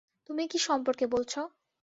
তুমি কি সম্পর্কে বলছো?